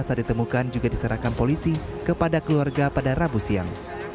saat ditemukan juga diserahkan polisi kepada keluarga pada rabu siang